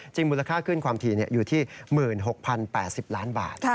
มูลค่าขึ้นความถี่อยู่ที่๑๖๐๘๐ล้านบาท